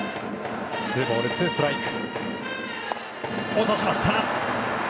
落としました！